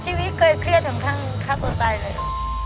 ชีวิตเคยเครียดถึงข้างข้าวตัวตายเลย